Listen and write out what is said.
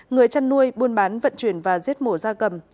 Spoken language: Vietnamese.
người chăn nuôi buôn bán vận chuyển và giết mổ da cầm